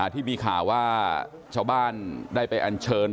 ที่มีข่าวว่าชาวบ้านได้ไปอันเชิญ